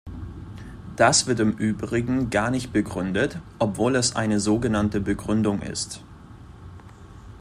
Das wird im übrigen gar nicht begründet, obwohl es eine sogenannte Begründung ist.